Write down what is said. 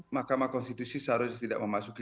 mahkamah konstitusi seharusnya tidak memasuki